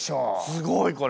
すごいこれは。